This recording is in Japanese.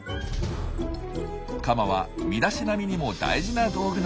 カマは身だしなみにも大事な道具なんですね。